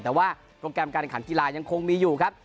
แต่ว่าโปรแกรมการขันกีฬายังคงมีอยู่ครับ